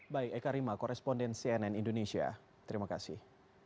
baik eka rima koresponden cnn indonesia terima kasih